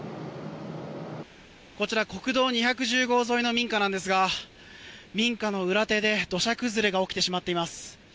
こちら国道２１０号沿いの民家ですが民家の裏手で、土砂崩れが起きてしまっています。